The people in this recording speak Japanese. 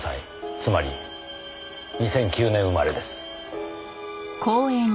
つまり２００９年生まれです。